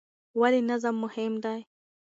ولې نظم مهم دی؟